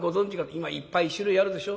今いっぱい種類あるでしょ？